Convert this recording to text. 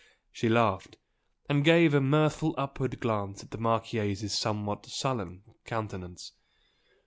She laughed, and gave a mirthful upward glance at the Marchese's somewhat sullen countenance.